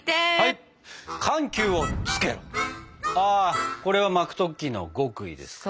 あこれは巻く時の極意ですか？